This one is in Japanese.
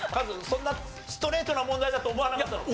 そんなストレートな問題だと思わなかったの？